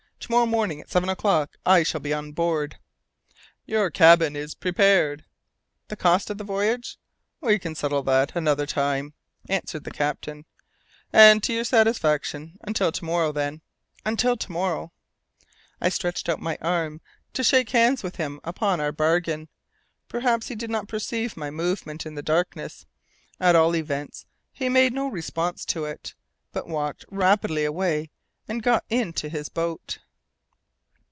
To morrow morning, at seven o'clock, I shall be on board." "Your cabin is prepared." "The cost of the voyage " "We can settle that another time," answered the captain, "and to your satisfaction. Until to morrow, then " "Until to morrow." I stretched out my arm, to shake hands with him upon our bargain. Perhaps he did not perceive my movement in the darkness, at all events he made no response to it, but walked rapidly away and got into his boat.